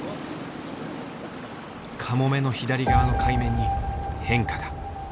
カモメの左側の海面に変化が。